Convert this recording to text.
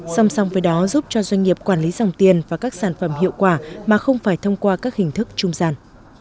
song song với đó giúp cho doanh nghiệp quản lý dòng tiền và các sản phẩm hiệu quả mà không phải thông qua các hình thức trung gian